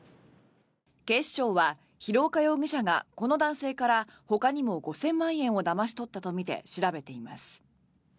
警視庁は廣岡容疑者がこの男性からほかにも５０００万円をだまし取ったとみて調べています。